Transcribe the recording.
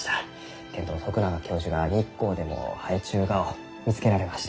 けんど徳永教授が日光でも生えちゅうがを見つけられました。